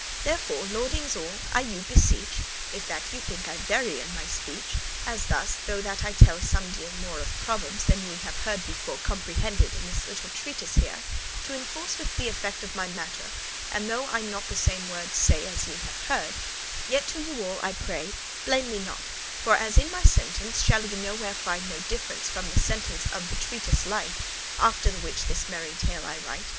Therefore, lordinges all, I you beseech, If that ye think I vary in my speech, As thus, though that I telle somedeal more Of proverbes, than ye have heard before Comprehended in this little treatise here, *T'enforce with* the effect of my mattere, *with which to And though I not the same wordes say enforce* As ye have heard, yet to you all I pray Blame me not; for as in my sentence Shall ye nowhere finde no difference From the sentence of thilke* treatise lite, *this little After the which this merry tale I write.